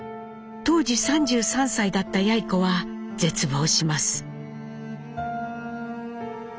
当時３３歳だったやい子は絶望します。